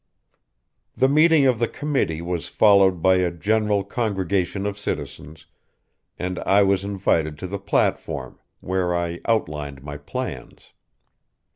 The meeting of the committee was followed by a general congregation of citizens, and I was invited to the platform, where I outlined my plans.